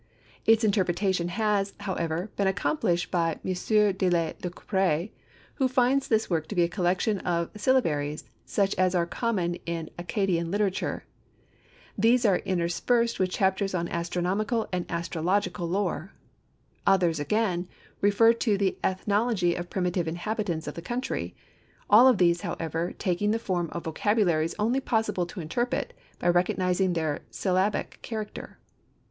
Its interpretation has, however, been accomplished by M. de Lacouperie who finds this work to be a collection of syllabaries such as are common in Accadian literature. These are interspersed with chapters on astronomical and astrological lore. Others again, refer to the ethnology of primitive inhabitants of the country; all of these, however, taking the form of vocabularies only possible to interpret by recognizing their syllabic character.